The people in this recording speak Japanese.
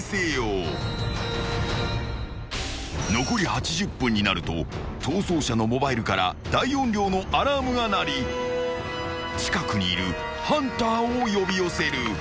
［残り８０分になると逃走者のモバイルから大音量のアラームが鳴り近くにいるハンターを呼び寄せる］